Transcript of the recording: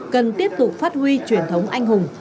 cần tiếp tục phát huy truyền thống anh hùng